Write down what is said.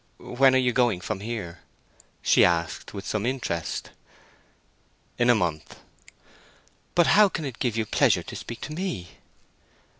"When are you going from here?" she asked, with some interest. "In a month." "But how can it give you pleasure to speak to me?"